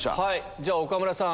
じゃあ岡村さん